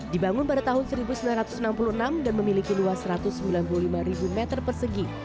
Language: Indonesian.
dibangun pada tahun seribu sembilan ratus enam puluh enam dan memiliki luas satu ratus sembilan puluh lima meter persegi